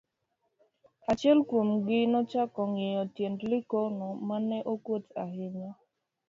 achiel kuom gi nochako ng'iyo tiend Likono ma ne okuot ahinya